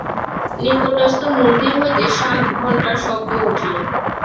নিকটস্থ মন্দির হইতে শাঁখ-ঘণ্টার শব্দ উঠিল।